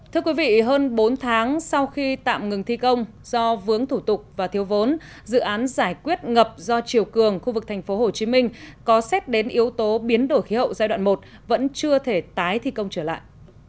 thưa quý vị hơn bốn tháng sau khi tạm ngừng thi công do vướng thủ tục và thiếu vốn dự án giải quyết ngập do triều cường khu vực tp hcm có xét đến yếu tố biến đổi khí hậu giai đoạn một vẫn chưa thể tái thi công trở lại